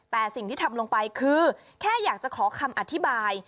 แต่สิ่งที่ทำลงไปคือแค่อยากจะขอคำอธิบาย